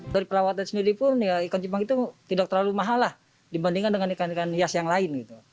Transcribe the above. dari perawatan sendiri pun ikan cupang itu tidak terlalu mahal lah dibandingkan dengan ikan ikan hias yang lain gitu